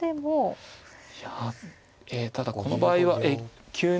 いやただこの場合は９七玉と。